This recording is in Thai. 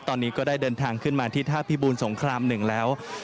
ตอนนี้ก็ได้เดินทางขึ้นมาที่ท่าพิบูรสงคราม๑แล้ว